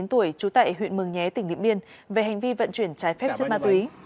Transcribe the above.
trú tại huyện mường nhé tỉnh điện biên về hành vi vận chuyển trái phép trên ma túy